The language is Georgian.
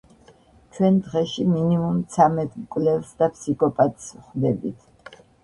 ჩვენ დღეში მინიმუმ ცამეტ მკვლელს და ფსიქოპატს ვხვდებით